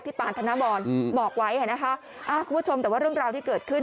ปานธนบรบอกไว้นะคะคุณผู้ชมแต่ว่าเรื่องราวที่เกิดขึ้น